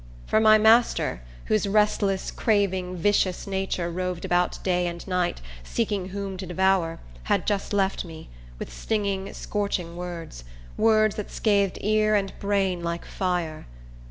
For my master, whose restless, craving, vicious nature roved about day and night, seeking whom to devour, had just left me, with stinging, scorching words; words that scathed ear and brain like fire.